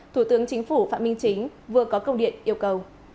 thủ tướng chính phủ phạm minh chính vừa có công điện yêu cầu